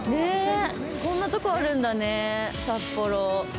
こんなところあるんだね、札幌。